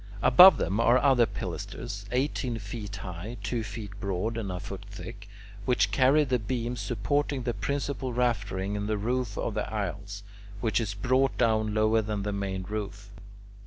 Above them are other pilasters, eighteen feet high, two feet broad, and a foot thick, which carry the beams supporting the principal raftering and the roof of the aisles, which is brought down lower than the main roof.